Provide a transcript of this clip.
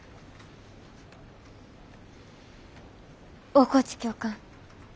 大河内教官。